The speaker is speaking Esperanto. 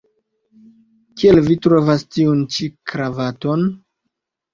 Kiel vi trovas tiun ĉi kravaton?